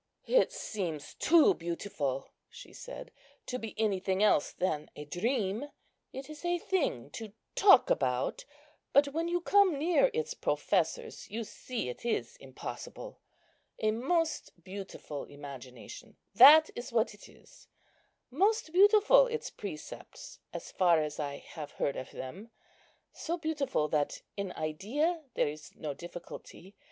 "It seems too beautiful," she said, "to be anything else than a dream. It is a thing to talk about, but when you come near its professors you see it is impossible. A most beautiful imagination, that is what it is. Most beautiful its precepts, as far as I have heard of them; so beautiful, that in idea there is no difficulty.